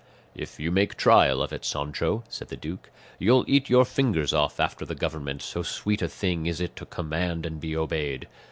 "If you once make trial of it, Sancho," said the duke, "you'll eat your fingers off after the government, so sweet a thing is it to command and be obeyed.